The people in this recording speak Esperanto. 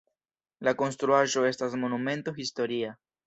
La konstruaĵo estas Monumento historia.